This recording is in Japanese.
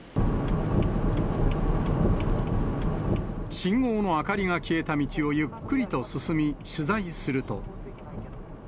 信号の明かりが消えた道をゆっくりと進み、取材すると。